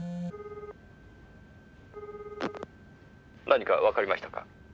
「何かわかりましたか？」